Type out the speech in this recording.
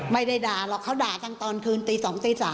ไม่ได้ด่าหรอกเขาด่ากันตอนคืนตี๒ตี๓